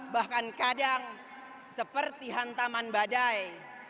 bahkan kadang seperti hantaman badai